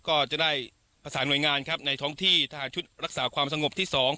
ก็จะได้ประสานหน่วยงานครับในท้องที่ทหารชุดรักษาความสงบที่๒